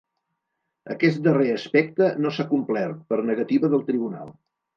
Aquest darrer aspecte no s’ha complert, per negativa del tribunal.